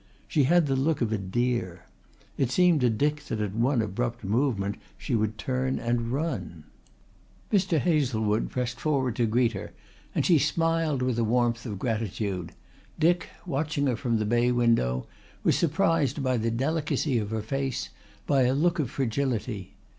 She had the look of a deer. It seemed to Dick that at one abrupt movement she would turn and run. Mr. Hazlewood pressed forward to greet her and she smiled with a warmth of gratitude. Dick, watching her from the bay window, was surprised by the delicacy of her face, by a look of fragility.